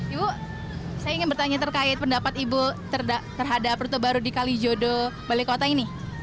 ibu saya ingin bertanya terkait pendapat ibu terhadap rute baru di kalijodo balai kota ini